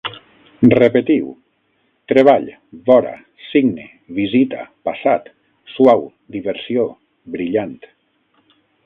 Repetiu: treball, vora, signe, visita, passat, suau, diversió, brillant